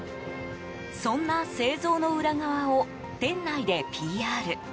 そんな製造の裏側を店内でＰＲ。